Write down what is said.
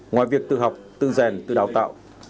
ngoài việc tự học tự rèn tự đào tạo